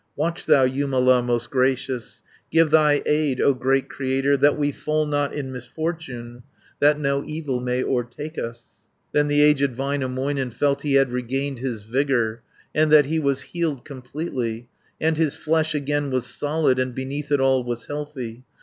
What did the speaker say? Watch thou, Jumala most gracious, Give thy aid, O great Creator, That we fall not in misfortune, That no evil may o'ertake us." Then the aged Väinämöinen Felt he had regained his vigour, And that he was healed completely, And his flesh again was solid, 550 And beneath it all was healthy.